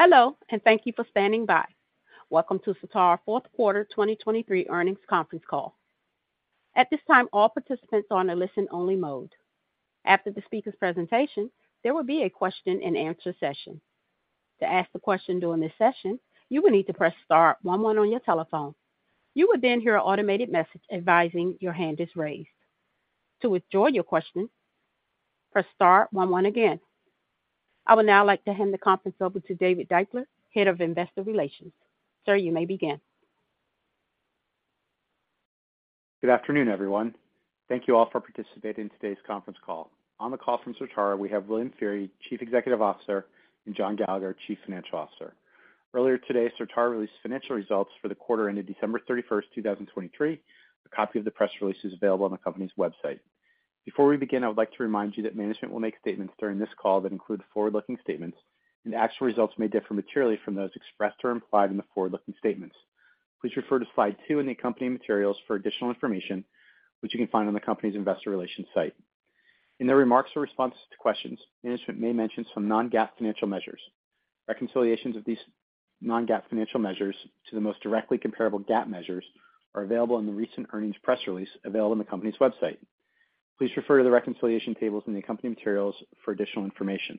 Hello and thank you for standing by. Welcome to Certara Fourth Quarter 2023 Earnings Conference Call. At this time, all participants are on a listen-only mode. After the speaker's presentation, there will be a question-and-answer session. To ask the question during this session, you will need to press star 11 on your telephone. You will then hear an automated message advising your hand is raised. To withdraw your question, press star 11 again. I would now like to hand the conference over to David Deuchler, Head of Investor Relations. Sir, you may begin. Good afternoon, everyone. Thank you all for participating in today's conference call. On the call from Certara, we have William Feehery, Chief Executive Officer, and John Gallagher, Chief Financial Officer. Earlier today, Certara released financial results for the quarter ended December 31st, 2023. A copy of the press release is available on the company's website. Before we begin, I would like to remind you that management will make statements during this call that include forward-looking statements, and actual results may differ materially from those expressed or implied in the forward-looking statements. Please refer to Slide 2 in the accompanying materials for additional information, which you can find on the company's Investor Relations site. In their remarks or responses to questions, management may mention some non-GAAP financial measures. Reconciliations of these non-GAAP financial measures to the most directly comparable GAAP measures are available in the recent earnings press release available on the company's website. Please refer to the reconciliation tables in the accompanying materials for additional information.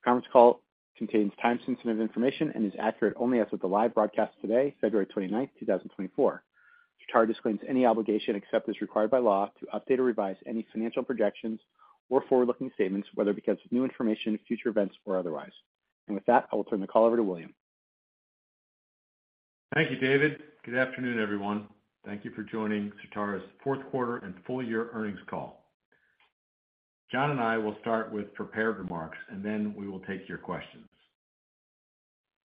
The conference call contains time-sensitive information and is accurate only as of the live broadcast today, February 29th, 2024. Certara disclaims any obligation except as required by law to update or revise any financial projections or forward-looking statements, whether because of new information, future events, or otherwise. With that, I will turn the call over to William. Thank you, David. Good afternoon, everyone. Thank you for joining Certara's Fourth Quarter and Full Year Earnings Call. John and I will start with prepared remarks, and then we will take your questions.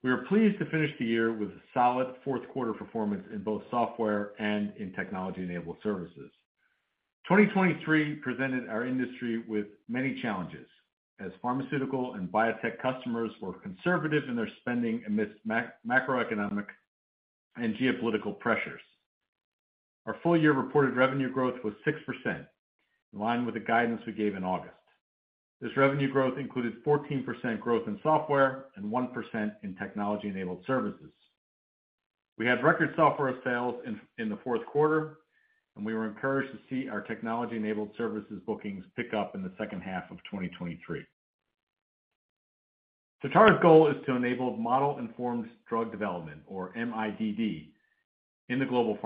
We are pleased to finish the year with a solid Fourth Quarter performance in both software and in technology-enabled services. 2023 presented our industry with many challenges as pharmaceutical and biotech customers were conservative in their spending amidst macroeconomic and geopolitical pressures. Our full year reported revenue growth was 6%, in line with the guidance we gave in August. This revenue growth included 14% growth in software and 1% in technology-enabled services. We had record software sales in the Fourth Quarter, and we were encouraged to see our technology-enabled services bookings pick up in the second half of 2023. Certara's goal is to enable Model-Informed Drug Development, or MIDD, in the global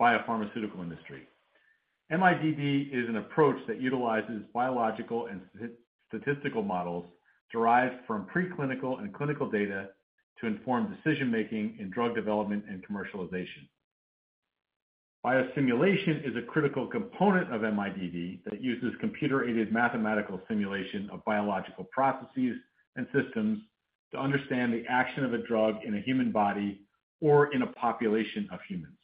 biopharmaceutical industry. MIDD is an approach that utilizes biological and statistical models derived from preclinical and clinical data to inform decision-making in drug development and commercialization. Biosimulation is a critical component of MIDD that uses computer-aided mathematical simulation of biological processes and systems to understand the action of a drug in a human body or in a population of humans.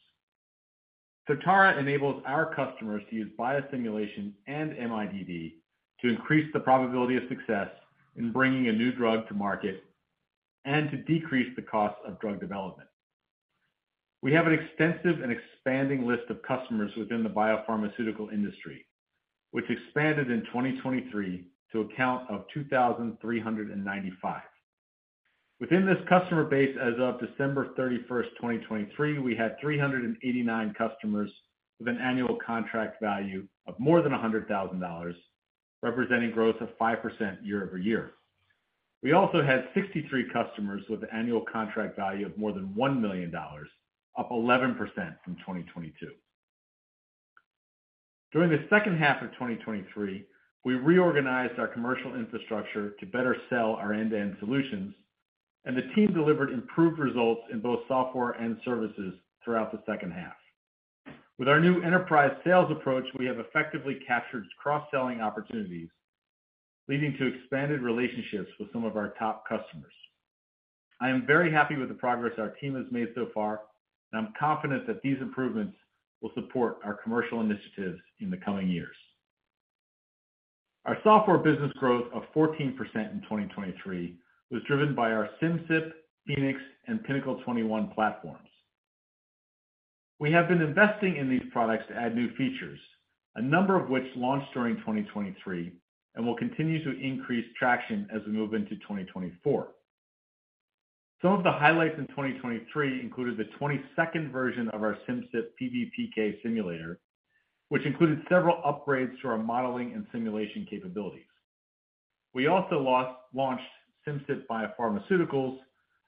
Certara enables our customers to use biosimulation and MIDD to increase the probability of success in bringing a new drug to market and to decrease the costs of drug development. We have an extensive and expanding list of customers within the biopharmaceutical industry, which expanded in 2023 to a count of 2,395. Within this customer base, as of December 31st, 2023, we had 389 customers with an annual contract value of more than $100,000, representing growth of 5% year-over-year. We also had 63 customers with an annual contract value of more than $1 million, up 11% from 2022. During the second half of 2023, we reorganized our commercial infrastructure to better sell our end-to-end solutions, and the team delivered improved results in both software and services throughout the second half. With our new enterprise sales approach, we have effectively captured cross-selling opportunities, leading to expanded relationships with some of our top customers. I am very happy with the progress our team has made so far, and I'm confident that these improvements will support our commercial initiatives in the coming years. Our software business growth of 14% in 2023 was driven by our Simcyp, Phoenix, and Pinnacle 21 platforms. We have been investing in these products to add new features, a number of which launched during 2023 and will continue to increase traction as we move into 2024. Some of the highlights in 2023 included the 22nd version of our Simcyp PBPK simulator, which included several upgrades to our modeling and simulation capabilities. We also launched Simcyp Biopharmaceutics,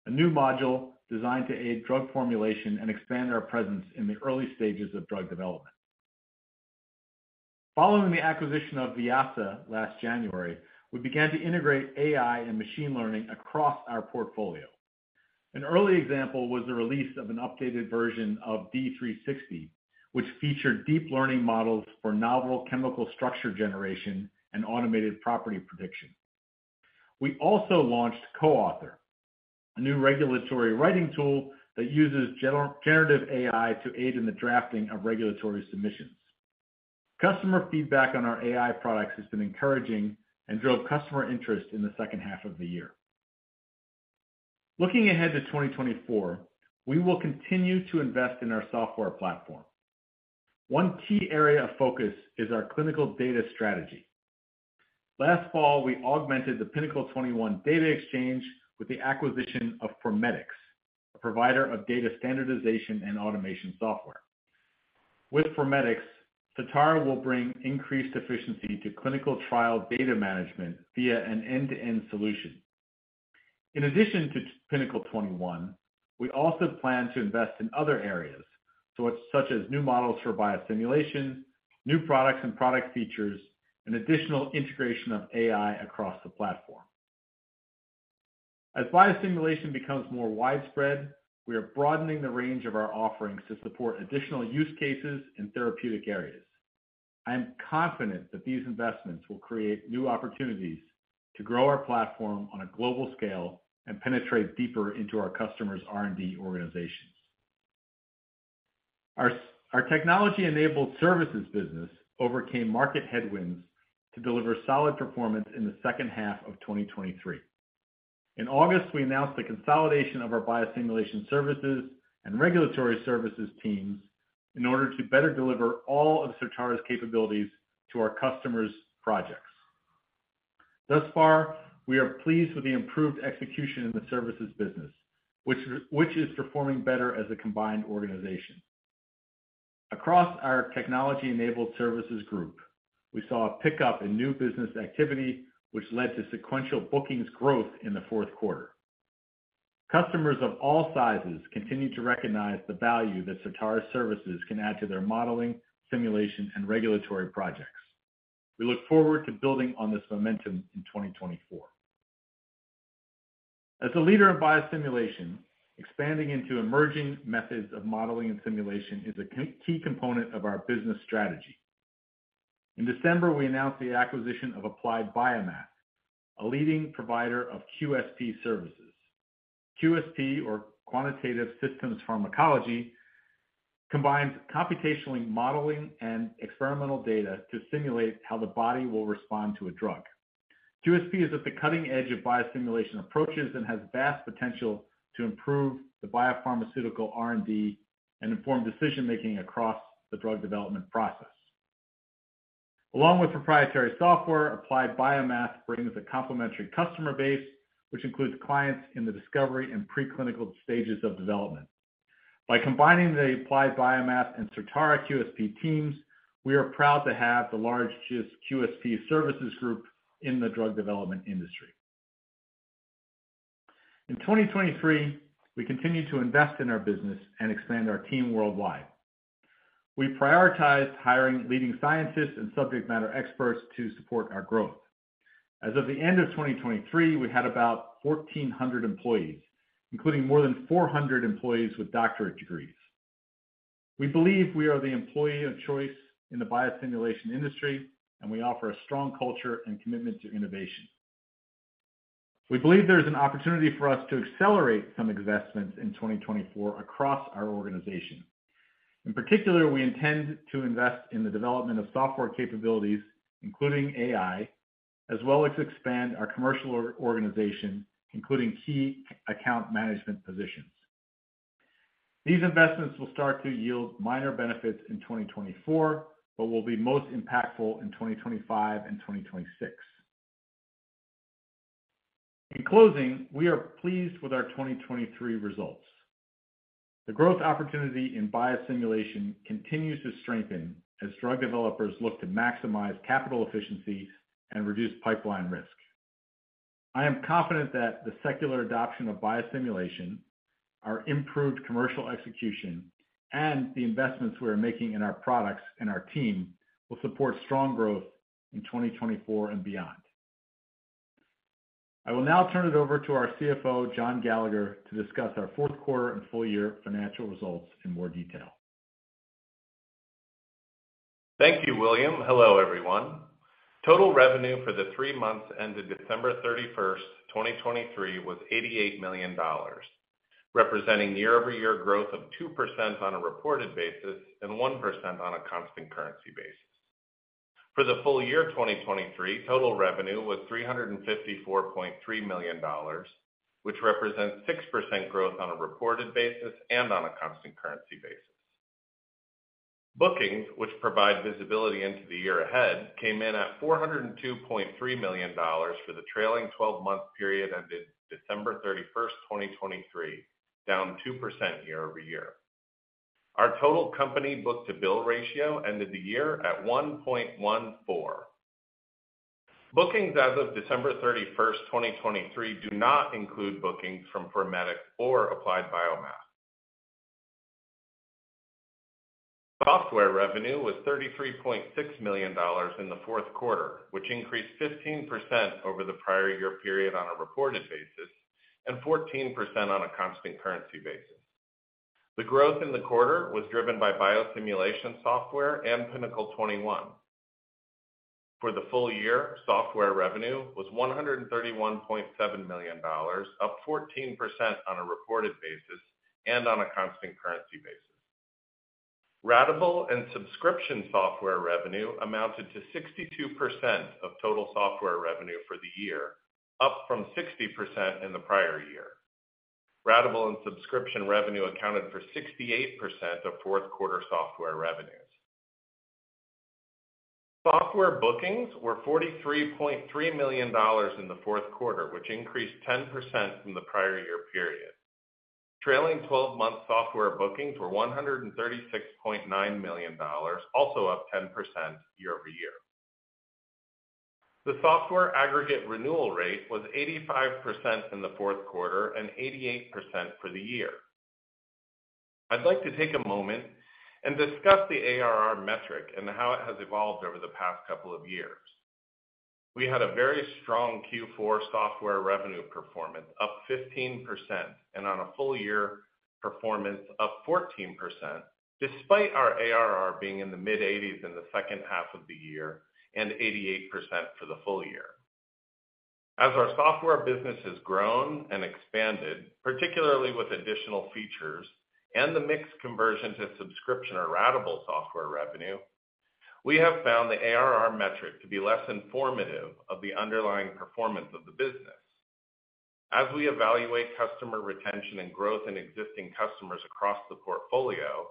a new module designed to aid drug formulation and expand our presence in the early stages of drug development. Following the acquisition of Vyasa last January, we began to integrate AI and machine learning across our portfolio. An early example was the release of an updated version of D360, which featured deep learning models for novel chemical structure generation and automated property prediction. We also launched CoAuthor, a new regulatory writing tool that uses generative AI to aid in the drafting of regulatory submissions. Customer feedback on our AI products has been encouraging and drove customer interest in the second half of the year. Looking ahead to 2024, we will continue to invest in our software platform. One key area of focus is our clinical data strategy. Last fall, we augmented the Pinnacle 21 data exchange with the acquisition of Formedix, a provider of data standardization and automation software. With Formedix, Certara will bring increased efficiency to clinical trial data management via an end-to-end solution. In addition to Pinnacle 21, we also plan to invest in other areas, such as new models for biosimulation, new products and product features, and additional integration of AI across the platform. As biosimulation becomes more widespread, we are broadening the range of our offerings to support additional use cases in therapeutic areas. I am confident that these investments will create new opportunities to grow our platform on a global scale and penetrate deeper into our customers' R&D organizations. Our technology-enabled services business overcame market headwinds to deliver solid performance in the second half of 2023. In August, we announced the consolidation of our biosimulation services and regulatory services teams in order to better deliver all of Certara's capabilities to our customers' projects. Thus far, we are pleased with the improved execution in the services business, which is performing better as a combined organization. Across our technology-enabled services group, we saw a pickup in new business activity, which led to sequential bookings growth in the fourth quarter. Customers of all sizes continue to recognize the value that Certara's services can add to their modeling, simulation, and regulatory projects. We look forward to building on this momentum in 2024. As a leader in biosimulation, expanding into emerging methods of modeling and simulation is a key component of our business strategy. In December, we announced the acquisition of Applied BioMath, a leading provider of QSP services. QSP, or Quantitative Systems Pharmacology, combines computational modeling and experimental data to simulate how the body will respond to a drug. QSP is at the cutting edge of biosimulation approaches and has vast potential to improve the biopharmaceutical R&D and inform decision-making across the drug development process. Along with proprietary software, Applied BioMath brings a complementary customer base, which includes clients in the discovery and preclinical stages of development. By combining the Applied BioMath and Certara QSP teams, we are proud to have the largest QSP services group in the drug development industry. In 2023, we continue to invest in our business and expand our team worldwide. We prioritized hiring leading scientists and subject matter experts to support our growth. As of the end of 2023, we had about 1,400 employees, including more than 400 employees with doctorate degrees. We believe we are the employee of choice in the biosimulation industry, and we offer a strong culture and commitment to innovation. We believe there is an opportunity for us to accelerate some investments in 2024 across our organization. In particular, we intend to invest in the development of software capabilities, including AI, as well as expand our commercial organization, including key account management positions. These investments will start to yield minor benefits in 2024 but will be most impactful in 2025 and 2026. In closing, we are pleased with our 2023 results. The growth opportunity in biosimulation continues to strengthen as drug developers look to maximize capital efficiency and reduce pipeline risk. I am confident that the secular adoption of biosimulation, our improved commercial execution, and the investments we are making in our products and our team will support strong growth in 2024 and beyond. I will now turn it over to our CFO, John Gallagher, to discuss our Fourth Quarter and Full Year financial results in more detail. Thank you, William. Hello, everyone. Total revenue for the three months ended December 31st, 2023, was $88 million, representing year-over-year growth of 2% on a reported basis and 1% on a constant currency basis. For the full year 2023, total revenue was $354.3 million, which represents 6% growth on a reported basis and on a constant currency basis. Bookings, which provide visibility into the year ahead, came in at $402.3 million for the trailing 12-month period ended December 31st, 2023, down 2% year-over-year. Our total company Book-to-Bill Ratio ended the year at 1.14. Bookings as of December 31st, 2023, do not include bookings from Formedix or Applied BioMath. Software revenue was $33.6 million in the Fourth Quarter, which increased 15% over the prior year period on a reported basis and 14% on a constant currency basis. The growth in the quarter was driven by biosimulation software and Pinnacle 21. For the full year, software revenue was $131.7 million, up 14% on a reported basis and on a constant currency basis. Ratable and subscription software revenue amounted to 62% of total software revenue for the year, up from 60% in the prior year. Ratable and subscription revenue accounted for 68% of Fourth Quarter software revenues. Software bookings were $43.3 million in the Fourth Quarter, which increased 10% from the prior year period. Trailing 12-month software bookings were $136.9 million, also up 10% year-over-year. The software aggregate renewal rate was 85% in the Fourth Quarter and 88% for the year. I'd like to take a moment and discuss the ARR metric and how it has evolved over the past couple of years. We had a very strong Q4 software revenue performance, up 15%, and on a full year, performance up 14% despite our ARR being in the mid-80s in the second half of the year and 88% for the full year. As our software business has grown and expanded, particularly with additional features and the mixed conversion to subscription or ratable software revenue, we have found the ARR metric to be less informative of the underlying performance of the business. As we evaluate customer retention and growth in existing customers across the portfolio,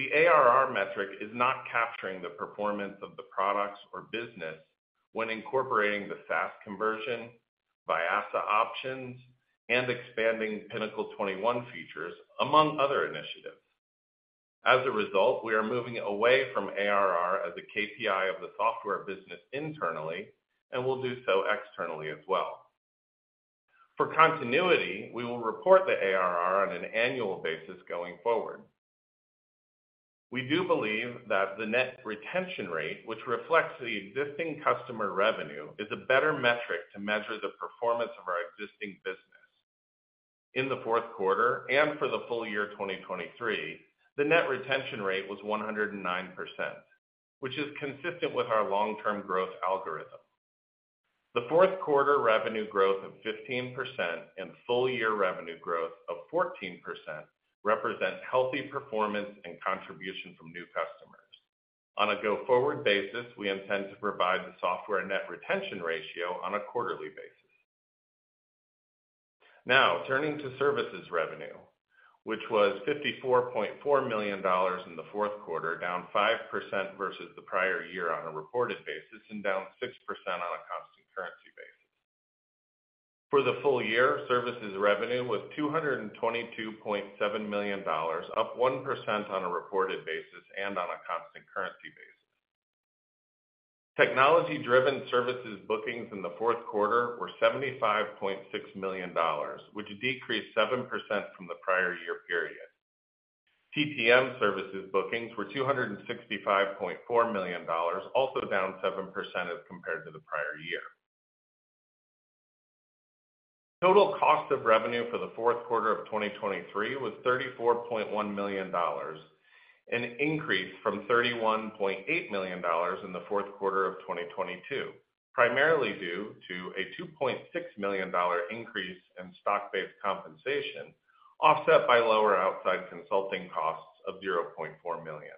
the ARR metric is not capturing the performance of the products or business when incorporating the SaaS conversion, Vyasa options, and expanding Pinnacle 21 features, among other initiatives. As a result, we are moving away from ARR as a KPI of the software business internally and will do so externally as well. For continuity, we will report the ARR on an annual basis going forward. We do believe that the net retention rate, which reflects the existing customer revenue, is a better metric to measure the performance of our existing business. In the Fourth Quarter and for the full year 2023, the net retention rate was 109%, which is consistent with our long-term growth algorithm. The Fourth Quarter revenue growth of 15% and full year revenue growth of 14% represent healthy performance and contribution from new customers. On a go-forward basis, we intend to provide the software net retention ratio on a quarterly basis. Now, turning to services revenue, which was $54.4 million in the Fourth Quarter, down 5% versus the prior year on a reported basis and down 6% on a constant currency basis. For the full year, services revenue was $222.7 million, up 1% on a reported basis and on a constant currency basis. Technology-driven services bookings in the Fourth Quarter were $75.6 million, which decreased 7% from the prior year period. TTM services bookings were $265.4 million, also down 7% as compared to the prior year. Total cost of revenue for the Fourth Quarter of 2023 was $34.1 million, an increase from $31.8 million in the Fourth Quarter of 2022, primarily due to a $2.6 million increase in stock-based compensation offset by lower outside consulting costs of $0.4 million.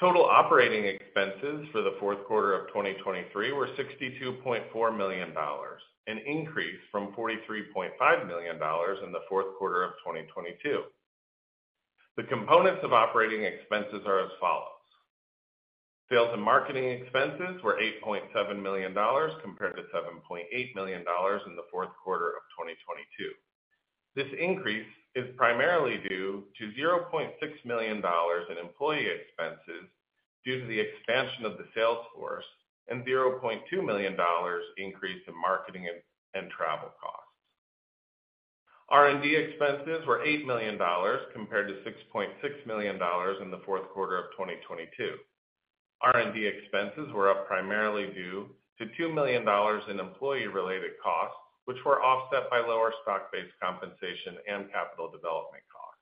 Total operating expenses for the Fourth Quarter of 2023 were $62.4 million, an increase from $43.5 million in the Fourth Quarter of 2022. The components of operating expenses are as follows. Sales and marketing expenses were $8.7 million compared to $7.8 million in the Fourth Quarter of 2022. This increase is primarily due to $0.6 million in employee expenses due to the expansion of the sales force and $0.2 million increase in marketing and travel costs. R&D expenses were $8 million compared to $6.6 million in the Fourth Quarter of 2022. R&D expenses were up primarily due to $2 million in employee-related costs, which were offset by lower stock-based compensation and capital development costs.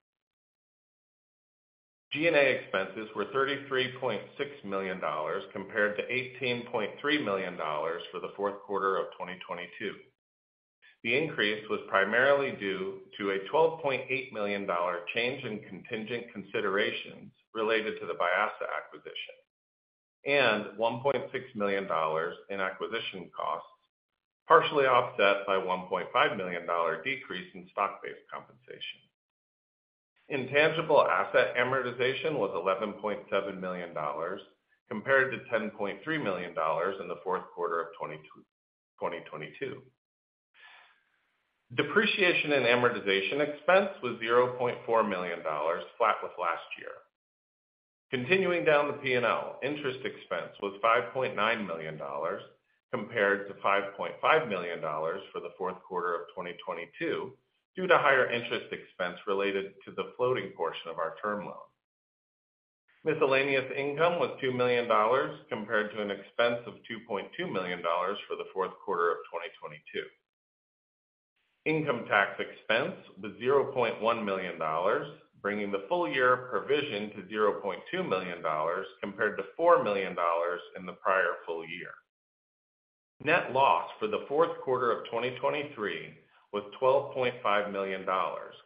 G&A expenses were $33.6 million compared to $18.3 million for the Fourth Quarter of 2022. The increase was primarily due to a $12.8 million change in contingent considerations related to the Vyasa acquisition and $1.6 million in acquisition costs, partially offset by a $1.5 million decrease in stock-based compensation. Intangible asset amortization was $11.7 million compared to $10.3 million in the Fourth Quarter of 2022. Depreciation and amortization expense was $0.4 million, flat with last year. Continuing down the P&L, interest expense was $5.9 million compared to $5.5 million for the Fourth Quarter of 2022 due to higher interest expense related to the floating portion of our term loan. Miscellaneous income was $2 million compared to an expense of $2.2 million for the Fourth Quarter of 2022. Income tax expense was $0.1 million, bringing the full year provision to $0.2 million compared to $4 million in the prior full year. Net loss for the Fourth Quarter of 2023 was $12.5 million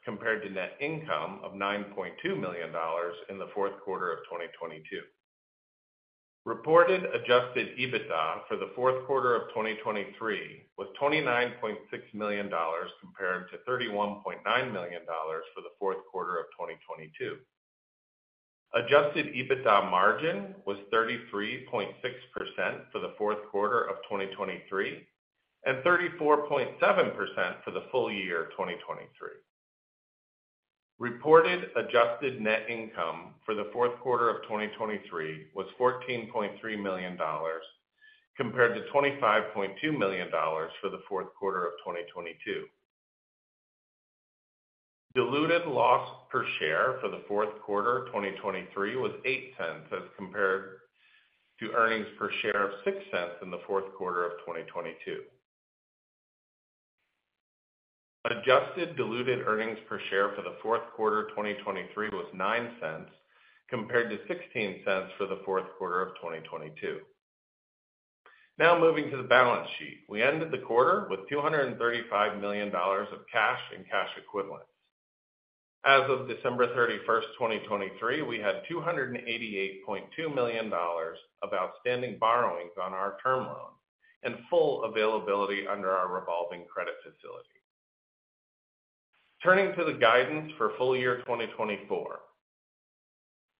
compared to net income of $9.2 million in the Fourth Quarter of 2022. Reported Adjusted EBITDA for the Fourth Quarter of 2023 was $29.6 million compared to $31.9 million for the Fourth Quarter of 2022. Adjusted EBITDA margin was 33.6% for the Fourth Quarter of 2023 and 34.7% for the full year 2023. Reported adjusted net income for the fourth quarter of 2023 was $14.3 million compared to $25.2 million for the fourth quarter of 2022. Diluted loss per share for the fourth quarter 2023 was ($0.08) as compared to earnings per share of $0.06 in the fourth quarter of 2022. Adjusted diluted earnings per share for the fourth quarter 2023 was $0.09 compared to $0.16 for the fourth quarter of 2022. Now moving to the balance sheet. We ended the quarter with $235 million of cash and cash equivalents. As of December 31st, 2023, we had $288.2 million of outstanding borrowings on our term loan and full availability under our revolving credit facility. Turning to the guidance for full year 2024.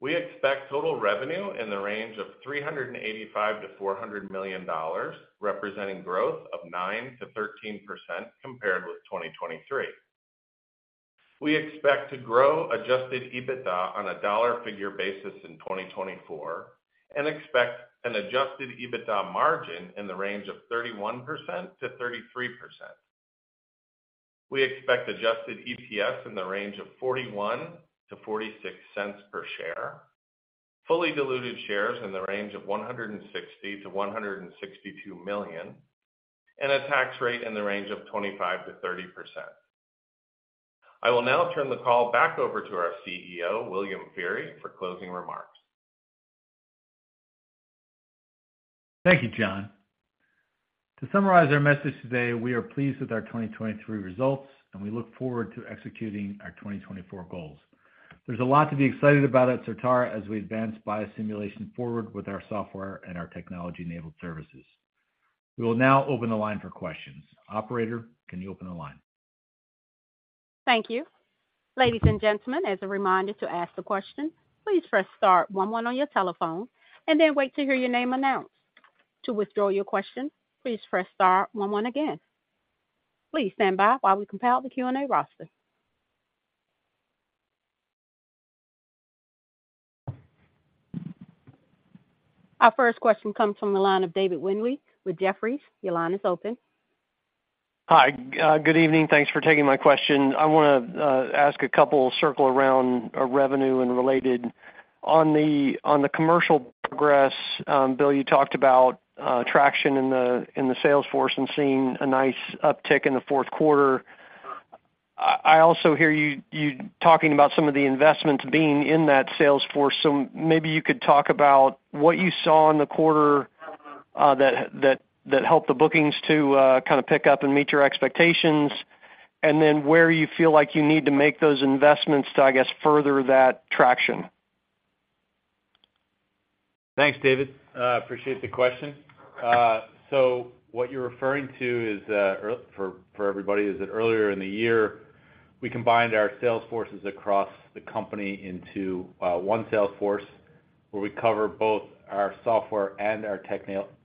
We expect total revenue in the range of $385-$400 million, representing growth of 9%-13% compared with 2023. We expect to grow Adjusted EBITDA on a dollar figure basis in 2024 and expect an Adjusted EBITDA margin in the range of 31%-33%. We expect Adjusted EPS in the range of $0.41-$0.46 per share, fully diluted shares in the range of 160-162 million, and a tax rate in the range of 25%-30%. I will now turn the call back over to our CEO, William Feehery, for closing remarks. Thank you, John. To summarize our message today, we are pleased with our 2023 results, and we look forward to executing our 2024 goals. There's a lot to be excited about at Certara as we advance biosimulation forward with our software and our technology-enabled services. We will now open the line for questions. Operator, can you open the line? Thank you. Ladies and gentlemen, as a reminder to ask the question, please press star 11 on your telephone and then wait to hear your name announced. To withdraw your question, please press star 11 again. Please stand by while we compile the Q&A roster. Our first question comes from the line of David Windley with Jefferies. Your line is open. Hi. Good evening. Thanks for taking my question. I want to ask a couple circle around revenue and related. On the commercial progress, Bill, you talked about traction in the sales force and seeing a nice uptick in the Fourth Quarter. I also hear you talking about some of the investments being in that sales force, so maybe you could talk about what you saw in the quarter that helped the bookings to kind of pick up and meet your expectations, and then where you feel like you need to make those investments to, I guess, further that traction. Thanks, David. I appreciate the question. So what you're referring to is, for everybody, is that earlier in the year, we combined our sales forces across the company into one sales force where we cover both our software and our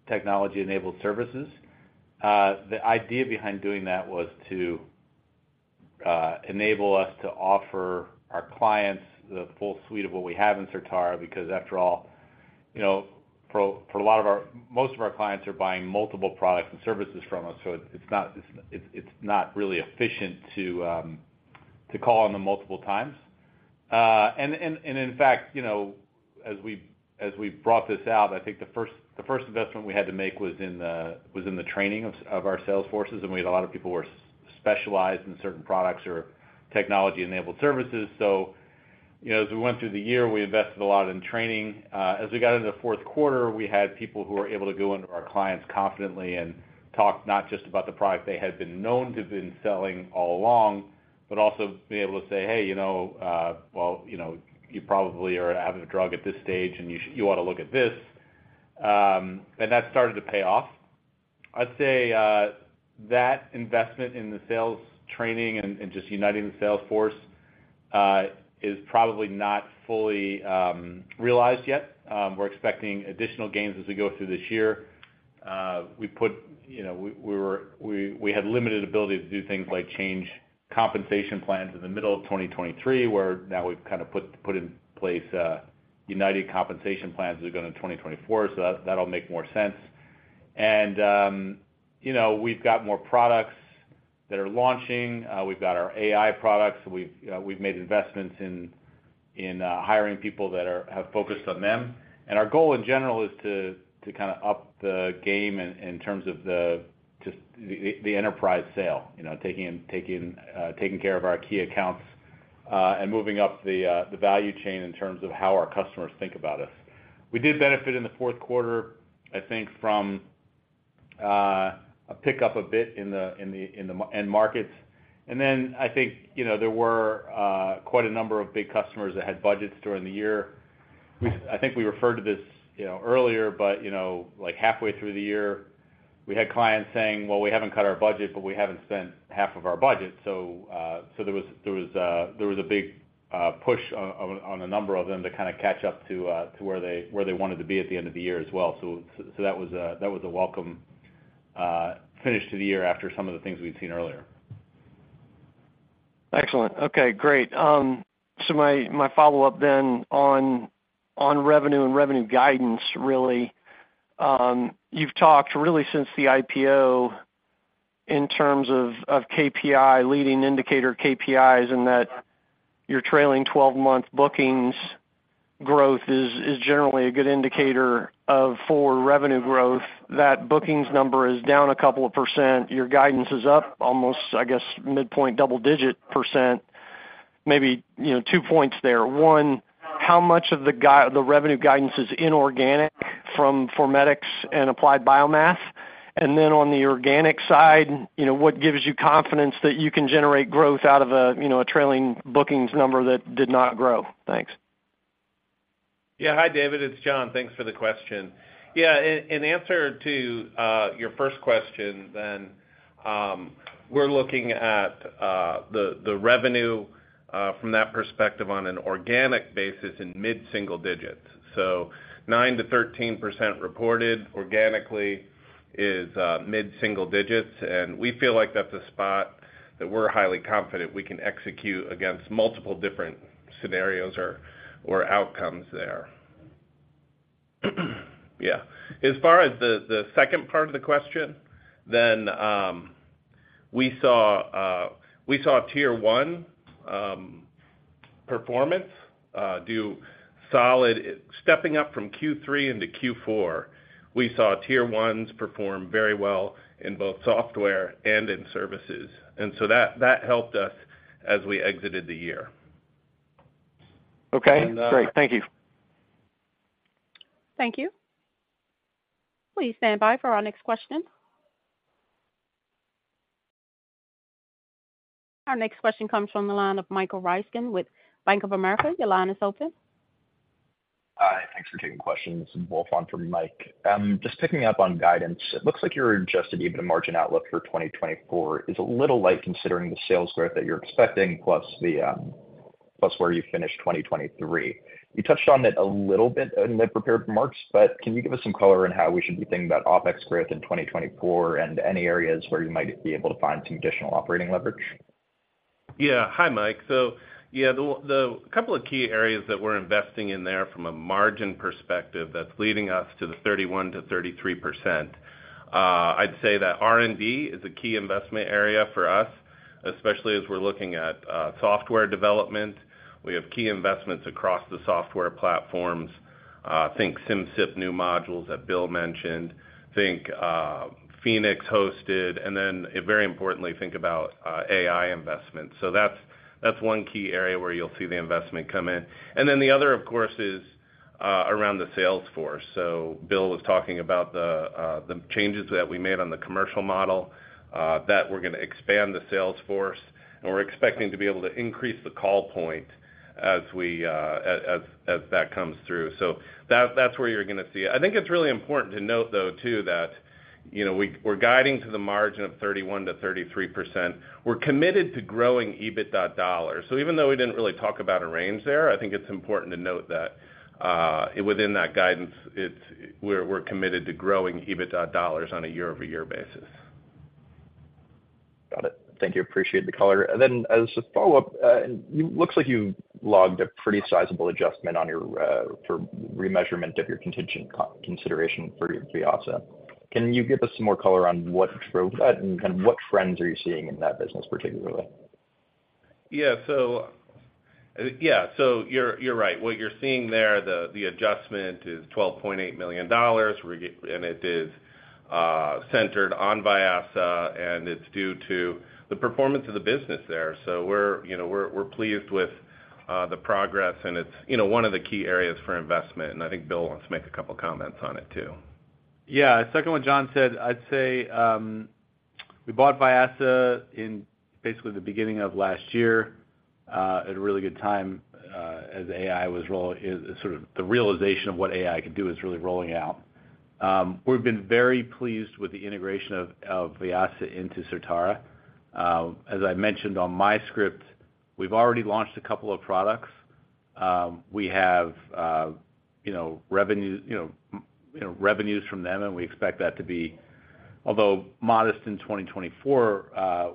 technology-enabled services. The idea behind doing that was to enable us to offer our clients the full suite of what we have in Certara because, after all, for a lot of our most of our clients are buying multiple products and services from us, so it's not really efficient to call on them multiple times. And in fact, as we brought this out, I think the first investment we had to make was in the training of our sales forces, and we had a lot of people who were specialized in certain products or technology-enabled services. So as we went through the year, we invested a lot in training. As we got into the fourth quarter, we had people who were able to go into our clients confidently and talk not just about the product they had been known to have been selling all along, but also being able to say, "Hey, well, you probably are having a drug at this stage, and you ought to look at this." And that started to pay off. I'd say that investment in the sales training and just uniting the sales force is probably not fully realized yet. We're expecting additional gains as we go through this year. We had limited ability to do things like change compensation plans in the middle of 2023, where now we've kind of put in place united compensation plans as we go into 2024, so that'll make more sense. And we've got more products that are launching. We've got our AI products. We've made investments in hiring people that have focused on them. And our goal, in general, is to kind of up the game in terms of just the enterprise sale, taking care of our key accounts and moving up the value chain in terms of how our customers think about us. We did benefit in the fourth quarter, I think, from a pickup a bit in the end markets. And then I think there were quite a number of big customers that had budgets during the year. I think we referred to this earlier, but halfway through the year, we had clients saying, "Well, we haven't cut our budget, but we haven't spent half of our budget." So there was a big push on a number of them to kind of catch up to where they wanted to be at the end of the year as well. That was a welcome finish to the year after some of the things we'd seen earlier. Excellent. Okay. Great. So my follow-up then on revenue and revenue guidance, really. You've talked really since the IPO in terms of KPI, leading indicator KPIs, in that your trailing 12-month bookings growth is generally a good indicator of forward revenue growth. That bookings number is down a couple of %. Your guidance is up almost, I guess, midpoint double-digit %, maybe two points there. One, how much of the revenue guidance is inorganic from Formedix and Applied BioMath? And then on the organic side, what gives you confidence that you can generate growth out of a trailing bookings number that did not grow? Thanks. Yeah. Hi, David. It's John. Thanks for the question. Yeah. In answer to your first question then, we're looking at the revenue from that perspective on an organic basis in mid-single digits. So 9%-13% reported organically is mid-single digits. And we feel like that's a spot that we're highly confident we can execute against multiple different scenarios or outcomes there. Yeah. As far as the second part of the question then, we saw tier one performance do solid stepping up from Q3 into Q4. We saw tier ones perform very well in both software and in services. And so that helped us as we exited the year. Okay. Great. Thank you. Thank you. Please stand by for our next question. Our next question comes from the line of Michael Ryskin with Bank of America. Your line is open. Hi. Thanks for taking the question. This is Wolfgang from Mike. Just picking up on guidance, it looks like your Adjusted EBITDA margin outlook for 2024 is a little light considering the sales growth that you're expecting plus where you finished 2023. You touched on it a little bit in the prepared remarks, but can you give us some color on how we should be thinking about OpEx growth in 2024 and any areas where you might be able to find some additional operating leverage? Yeah. Hi, Mike. So yeah, the couple of key areas that we're investing in there from a margin perspective that's leading us to the 31%-33%, I'd say that R&D is a key investment area for us, especially as we're looking at software development. We have key investments across the software platforms. Think Simcyp new modules that Bill mentioned. Think Phoenix Hosted. And then very importantly, think about AI investments. So that's one key area where you'll see the investment come in. And then the other, of course, is around the sales force. So Bill was talking about the changes that we made on the commercial model, that we're going to expand the sales force, and we're expecting to be able to increase the call point as that comes through. So that's where you're going to see it. I think it's really important to note, though, too, that we're guiding to the margin of 31%-33%. We're committed to growing EBITDA dollar. So even though we didn't really talk about a range there, I think it's important to note that within that guidance, we're committed to growing EBITDA dollars on a year-over-year basis. Got it. Thank you. Appreciate the color. And then as a follow-up, it looks like you logged a pretty sizable adjustment for remeasurement of your contingent consideration for your Vyasa. Can you give us some more color on what drove that and kind of what trends are you seeing in that business particularly? Yeah. So yeah. So you're right. What you're seeing there, the adjustment is $12.8 million, and it is centered on Vyasa, and it's due to the performance of the business there. So we're pleased with the progress, and it's one of the key areas for investment. And I think Bill wants to make a couple of comments on it too. Yeah. Second what John said, I'd say we bought Vyasa in basically the beginning of last year at a really good time as AI was sort of the realization of what AI could do is really rolling out. We've been very pleased with the integration of Vyasa into Certara. As I mentioned on my script, we've already launched a couple of products. We have revenues from them, and we expect that to be although modest in 2024,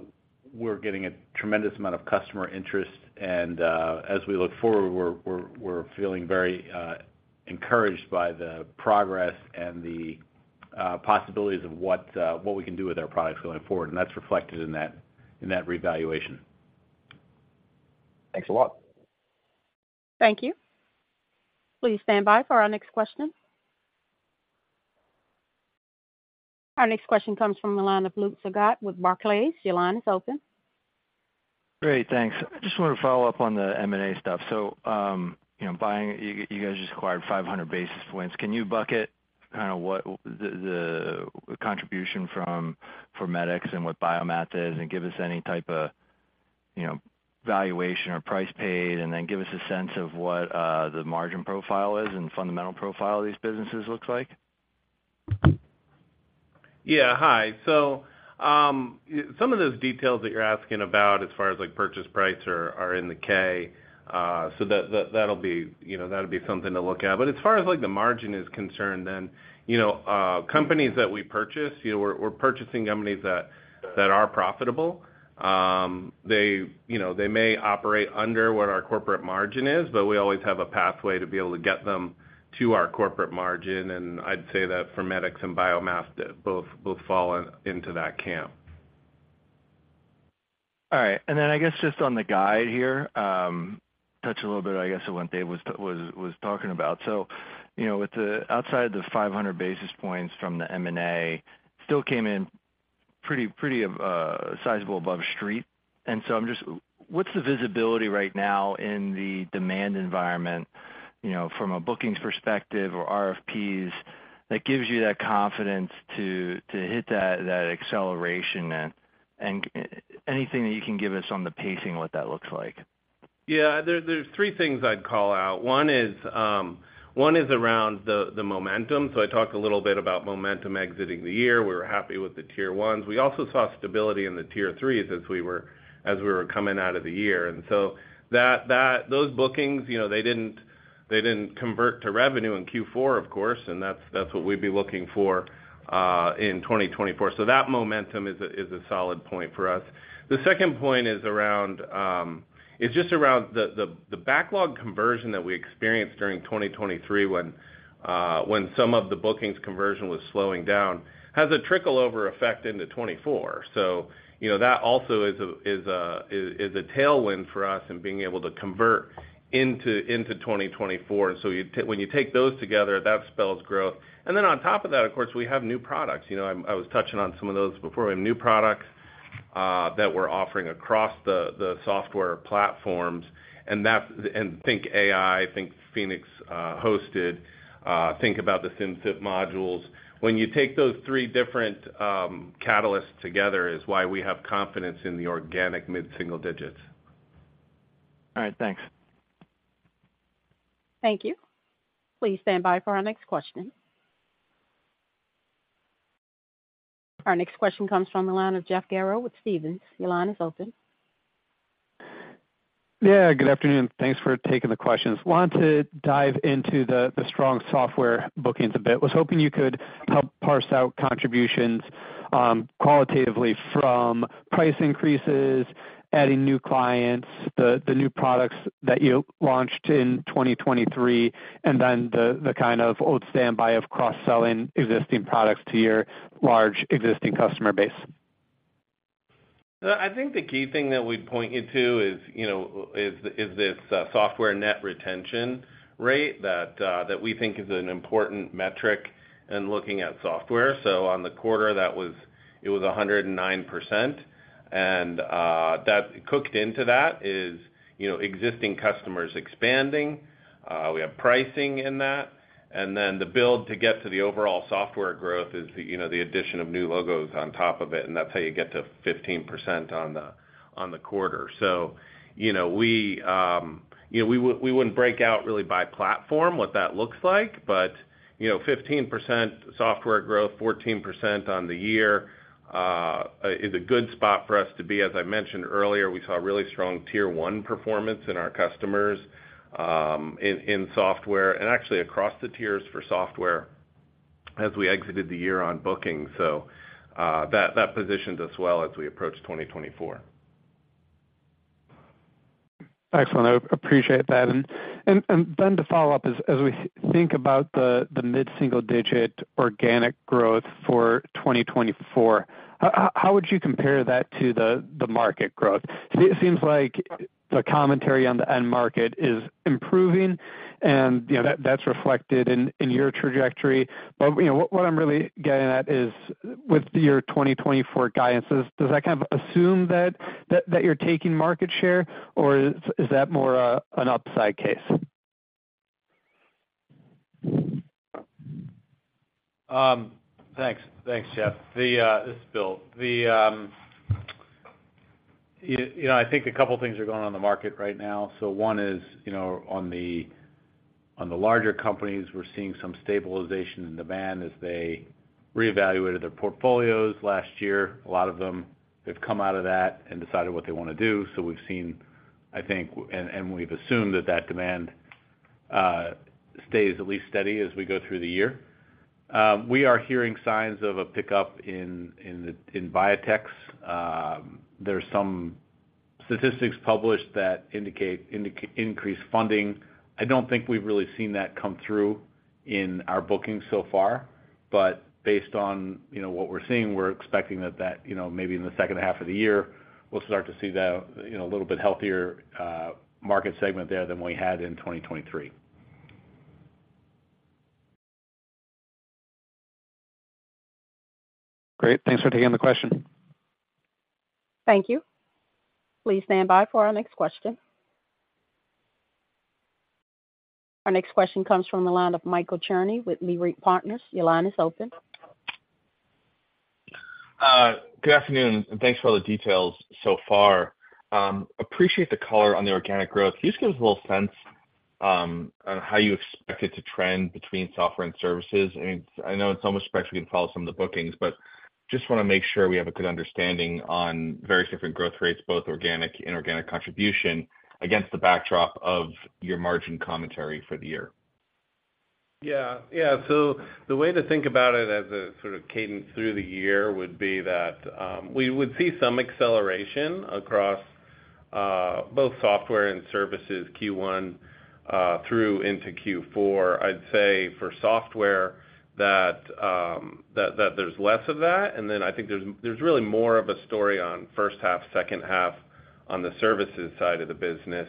we're getting a tremendous amount of customer interest. And as we look forward, we're feeling very encouraged by the progress and the possibilities of what we can do with our products going forward. And that's reflected in that revaluation. Thanks a lot. Thank you. Please stand by for our next question. Our next question comes from the line of Luke Sergott with Barclays. Your line is open. Great. Thanks. I just wanted to follow up on the M&A stuff. So you guys just acquired 500 basis points. Can you bucket kind of the contribution from Formedix and what BioMath is and give us any type of valuation or price paid, and then give us a sense of what the margin profile is and fundamental profile of these businesses looks like? Yeah. Hi. So some of those details that you're asking about as far as purchase price are in the K. So that'll be something to look at. But as far as the margin is concerned then, companies that we purchase, we're purchasing companies that are profitable. They may operate under what our corporate margin is, but we always have a pathway to be able to get them to our corporate margin. And I'd say that Formedix and BioMath both fall into that camp. All right. And then I guess just on the guide here, touch a little bit, I guess, of what Dave was talking about. So outside of the 500 basis points from the M&A, still came in pretty sizable above street. And so what's the visibility right now in the demand environment from a bookings perspective or RFPs that gives you that confidence to hit that acceleration? And anything that you can give us on the pacing, what that looks like? Yeah. There's three things I'd call out. One is around the momentum. So I talked a little bit about momentum exiting the year. We were happy with the tier ones. We also saw stability in the tier threes as we were coming out of the year. And so those bookings, they didn't convert to revenue in Q4, of course, and that's what we'd be looking for in 2024. So that momentum is a solid point for us. The second point is just around the backlog conversion that we experienced during 2023 when some of the bookings conversion was slowing down has a trickle-over effect into 2024. So that also is a tailwind for us in being able to convert into 2024. And so when you take those together, that spells growth. And then on top of that, of course, we have new products. I was touching on some of those before. We have new products that we're offering across the software platforms. Think AI, think Phoenix Hosted, think about the Simcyp modules. When you take those three different catalysts together, is why we have confidence in the organic mid-single digits. All right. Thanks. Thank you. Please stand by for our next question. Our next question comes from the line of Jeff Garro with Stephens. Your line is open. Yeah. Good afternoon. Thanks for taking the questions. Want to dive into the strong software bookings a bit. Was hoping you could help parse out contributions qualitatively from price increases, adding new clients, the new products that you launched in 2023, and then the kind of old standby of cross-selling existing products to your large existing customer base? I think the key thing that we'd point you to is this software net retention rate that we think is an important metric in looking at software. So on the quarter, it was 109%. And cooked into that is existing customers expanding. We have pricing in that. And then the build to get to the overall software growth is the addition of new logos on top of it. And that's how you get to 15% on the quarter. So we wouldn't break out really by platform what that looks like, but 15% software growth, 14% on the year is a good spot for us to be. As I mentioned earlier, we saw really strong tier one performance in our customers in software and actually across the tiers for software as we exited the year on bookings. So that positioned us well as we approached 2024. Excellent. I appreciate that. And then to follow up, as we think about the mid-single digit organic growth for 2024, how would you compare that to the market growth? It seems like the commentary on the end market is improving, and that's reflected in your trajectory. But what I'm really getting at is with your 2024 guidances, does that kind of assume that you're taking market share, or is that more an upside case? Thanks. Thanks, Jeff. This is Bill. I think a couple of things are going on in the market right now. So one is, on the larger companies, we're seeing some stabilization in demand as they reevaluated their portfolios last year. A lot of them have come out of that and decided what they want to do. So we've seen, I think, and we've assumed that that demand stays at least steady as we go through the year. We are hearing signs of a pickup in biotechs. There's some statistics published that indicate increased funding. I don't think we've really seen that come through in our bookings so far. But based on what we're seeing, we're expecting that maybe in the second half of the year, we'll start to see that a little bit healthier market segment there than we had in 2023. Great. Thanks for taking the question. Thank you. Please stand by for our next question. Our next question comes from the line of Michael Cherny with Leerink Partners. Your line is open. Good afternoon. Thanks for all the details so far. Appreciate the color on the organic growth. Can you just give us a little sense on how you expect it to trend between software and services? I mean, I know in so much respect, we can follow some of the bookings, but just want to make sure we have a good understanding on various different growth rates, both organic and organic contribution, against the backdrop of your margin commentary for the year. Yeah. Yeah. So the way to think about it as a sort of cadence through the year would be that we would see some acceleration across both software and services Q1 through into Q4. I'd say for software, that there's less of that. And then I think there's really more of a story on first half, second half on the services side of the business.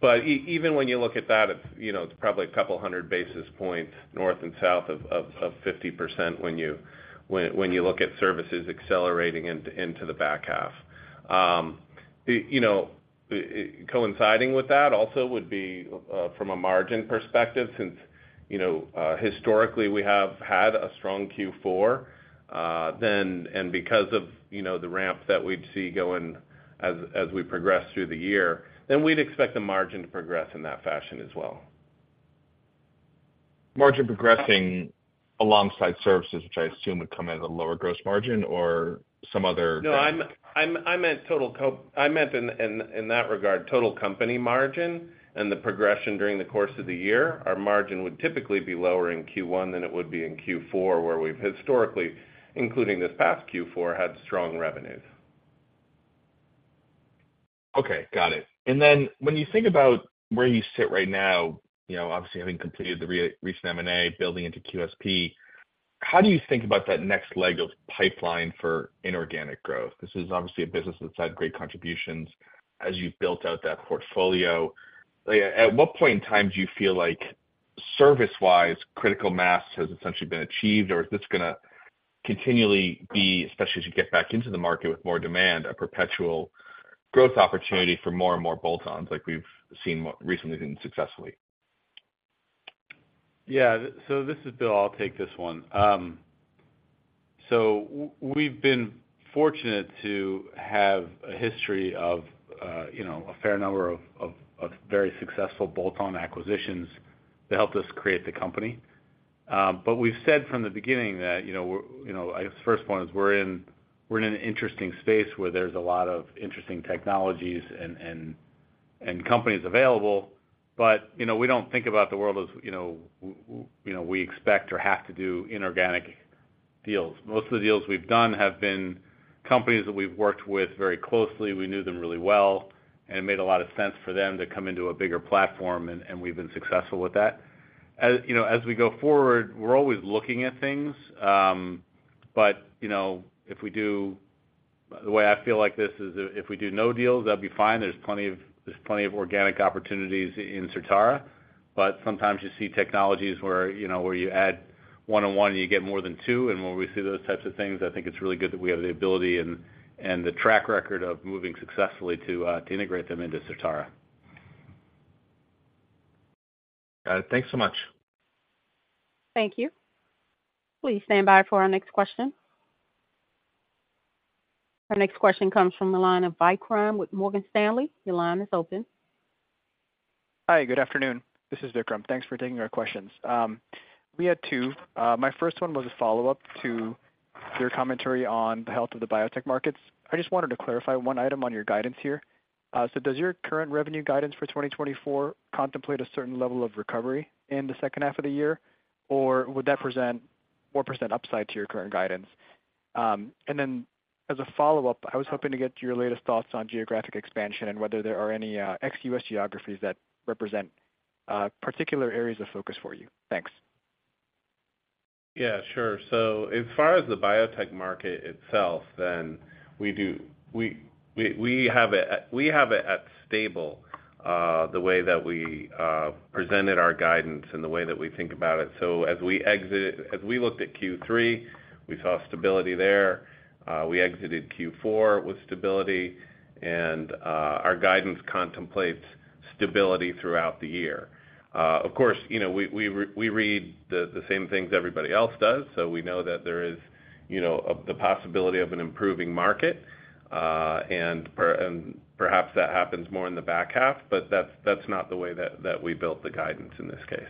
But even when you look at that, it's probably a couple hundred basis points north and south of 50% when you look at services accelerating into the back half. Coinciding with that also would be from a margin perspective, since historically, we have had a strong Q4, and because of the ramp that we'd see going as we progress through the year, then we'd expect the margin to progress in that fashion as well. Margin progressing alongside services, which I assume would come out of the lower gross margin or some other thing? No. I meant total in that regard, total company margin and the progression during the course of the year. Our margin would typically be lower in Q1 than it would be in Q4, where we've historically, including this past Q4, had strong revenues. Okay. Got it. And then when you think about where you sit right now, obviously having completed the recent M&A, building into QSP, how do you think about that next leg of pipeline for inorganic growth? This is obviously a business that's had great contributions. As you've built out that portfolio, at what point in time do you feel like service-wise, critical mass has essentially been achieved, or is this going to continually be, especially as you get back into the market with more demand, a perpetual growth opportunity for more and more bolt-ons like we've seen recently successfully? Yeah. So this is Bill. I'll take this one. So we've been fortunate to have a history of a fair number of very successful bolt-on acquisitions that helped us create the company. But we've said from the beginning that I guess the first point is we're in an interesting space where there's a lot of interesting technologies and companies available. But we don't think about the world as we expect or have to do inorganic deals. Most of the deals we've done have been companies that we've worked with very closely. We knew them really well, and it made a lot of sense for them to come into a bigger platform, and we've been successful with that. As we go forward, we're always looking at things. But if we do the way I feel like this is if we do no deals, that'd be fine. There's plenty of organic opportunities in Certara. Sometimes you see technologies where you add one-on-one and you get more than two. When we see those types of things, I think it's really good that we have the ability and the track record of moving successfully to integrate them into Certara. Got it. Thanks so much. Thank you. Please stand by for our next question. Our next question comes from the line of Vikram with Morgan Stanley. Your line is open. Hi. Good afternoon. This is Vikram. Thanks for taking our questions. We had two. My first one was a follow-up to your commentary on the health of the biotech markets. I just wanted to clarify one item on your guidance here. So does your current revenue guidance for 2024 contemplate a certain level of recovery in the second half of the year, or would that present more% upside to your current guidance? And then as a follow-up, I was hoping to get your latest thoughts on geographic expansion and whether there are any ex-U.S. geographies that represent particular areas of focus for you. Thanks. Yeah. Sure. So as far as the biotech market itself, then we have it at stable the way that we presented our guidance and the way that we think about it. So as we looked at Q3, we saw stability there. We exited Q4 with stability. And our guidance contemplates stability throughout the year. Of course, we read the same things everybody else does. So we know that there is the possibility of an improving market. And perhaps that happens more in the back half, but that's not the way that we built the guidance in this case.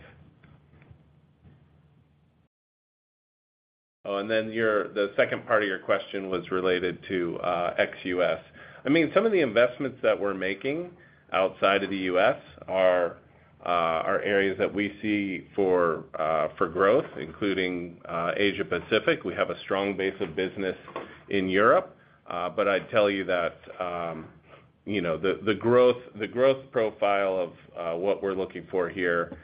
Oh, and then the second part of your question was related to ex-US. I mean, some of the investments that we're making outside of the US are areas that we see for growth, including Asia-Pacific. We have a strong base of business in Europe. I'd tell you that the growth profile of what we're looking for here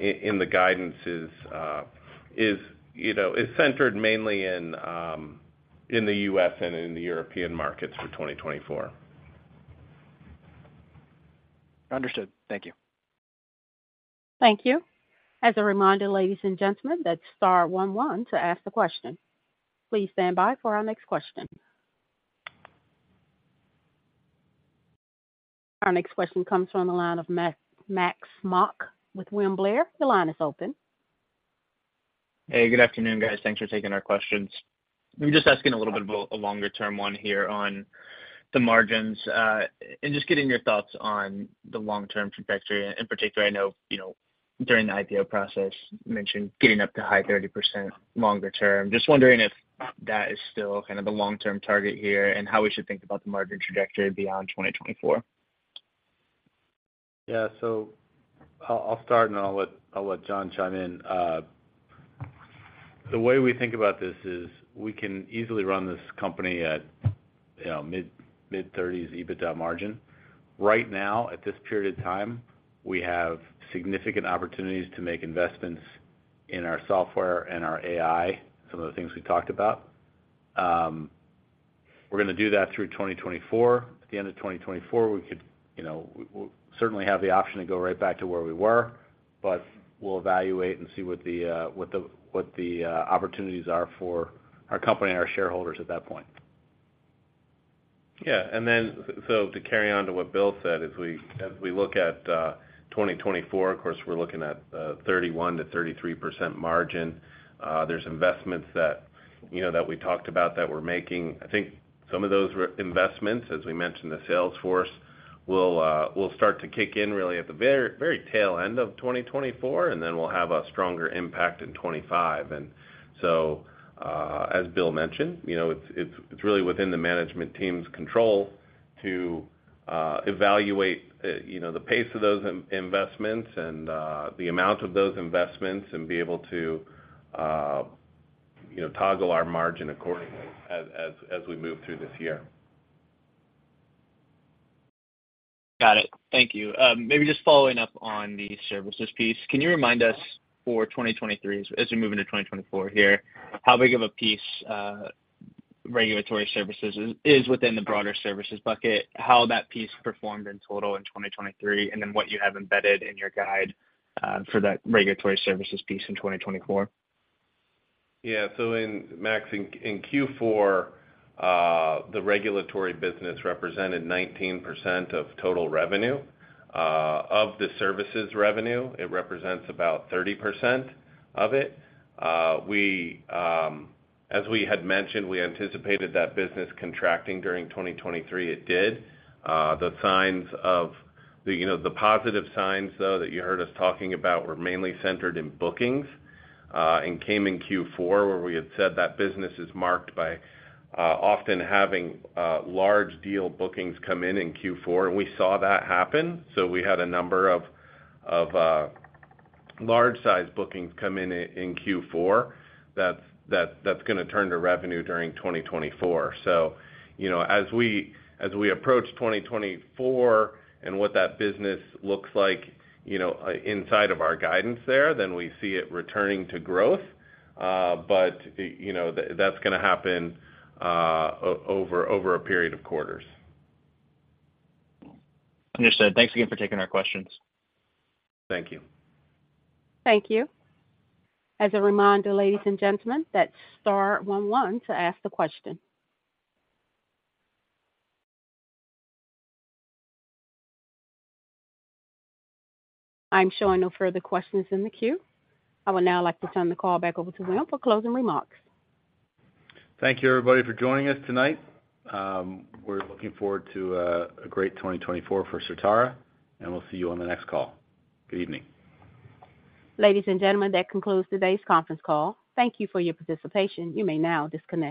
in the guidance is centered mainly in the U.S. and in the European markets for 2024. Understood. Thank you. Thank you. As a reminder, ladies and gentlemen, that's star 11 to ask the question. Please stand by for our next question. Our next question comes from the line of Max Smock with William Blair. Your line is open. Hey. Good afternoon, guys. Thanks for taking our questions. We're just asking a little bit of a longer-term one here on the margins and just getting your thoughts on the long-term trajectory. In particular, I know during the IPO process, you mentioned getting up to high 30% longer term. Just wondering if that is still kind of the long-term target here and how we should think about the margin trajectory beyond 2024? Yeah. So I'll start, and I'll let John chime in. The way we think about this is we can easily run this company at mid-30s EBITDA margin. Right now, at this period of time, we have significant opportunities to make investments in our software and our AI, some of the things we talked about. We're going to do that through 2024. At the end of 2024, we could certainly have the option to go right back to where we were, but we'll evaluate and see what the opportunities are for our company and our shareholders at that point. Yeah. And then so to carry on to what Bill said, as we look at 2024, of course, we're looking at 31%-33% margin. There's investments that we talked about that we're making. I think some of those investments, as we mentioned, the sales force, will start to kick in really at the very tail end of 2024, and then we'll have a stronger impact in 2025. So as Bill mentioned, it's really within the management team's control to evaluate the pace of those investments and the amount of those investments and be able to toggle our margin accordingly as we move through this year. Got it. Thank you. Maybe just following up on the services piece, can you remind us for 2023, as we move into 2024 here, how big of a piece regulatory services is within the broader services bucket, how that piece performed in total in 2023, and then what you have embedded in your guide for that regulatory services piece in 2024? Yeah. So Max, in Q4, the regulatory business represented 19% of total revenue. Of the services revenue, it represents about 30% of it. As we had mentioned, we anticipated that business contracting during 2023. It did. The signs of the positive signs, though, that you heard us talking about were mainly centered in bookings and came in Q4 where we had said that business is marked by often having large deal bookings come in in Q4. We saw that happen. We had a number of large-sized bookings come in in Q4 that's going to turn to revenue during 2024. As we approach 2024 and what that business looks like inside of our guidance there, we see it returning to growth. That's going to happen over a period of quarters. Understood. Thanks again for taking our questions. Thank you. Thank you. As a reminder, ladies and gentlemen, that's star 11 to ask the question. I'm showing no further questions in the queue. I would now like to turn the call back over to Will for closing remarks. Thank you, everybody, for joining us tonight. We're looking forward to a great 2024 for Certara, and we'll see you on the next call. Good evening. Ladies and gentlemen, that concludes today's conference call. Thank you for your participation. You may now disconnect.